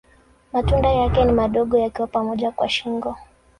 Matunda yake ni madogo yakiwa pamoja kwa shingo.